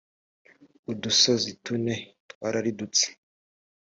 udusozi tune twararidutse